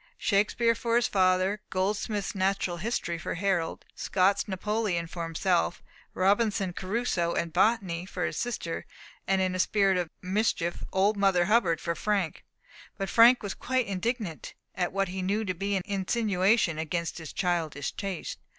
Shakespeare for his father, Goldsmith's Natural History for Harold, Scott's Napoleon for himself, Robinson Crusoe and Botany for his sister, and (in a spirit of mischief) Old Mother Hubbard for Frank. But Frank was quite indignant at what he knew to be an insinuation against his childish taste.